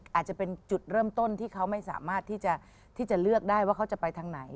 อาจจะเป็นจุดเริ่มต้นที่เขาไม่สามารถที่จะเลือกได้ว่าเขาจะไปทางไหน